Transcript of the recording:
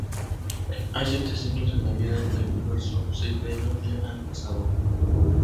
Hay siete ciclos en la vida del universo, seis de ellos ya han pasado.